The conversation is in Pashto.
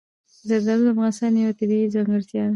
زردالو د افغانستان یوه طبیعي ځانګړتیا ده.